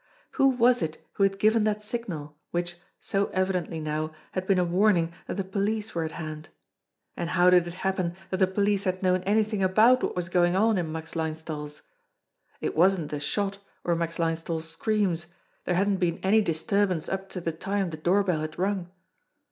Who was it who had given that signal, which, so evidently now, had been a warning that the police were at hand? And how did it happen that the police had known anything about what was going on in Max Linesthal's ? It wasn't the shot or Max Linesthal's screams there hadn't been any disturbance up to the time the doorbell had rung